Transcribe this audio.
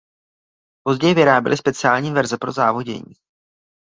Později vyráběli speciální verze pro závodění.